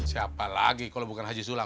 siapa lagi kalau bukan pak haji sulam